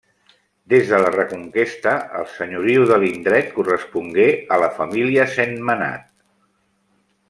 Des de la Reconquesta, el senyoriu de l'indret correspongué a la família Sentmenat.